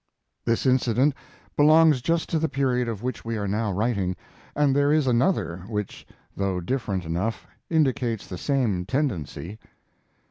] This incident belongs just to the period of which we are now writing, and there is another which, though different enough, indicates the same tendency.